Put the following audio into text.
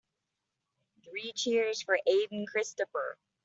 Three cheers for Aden Christopher.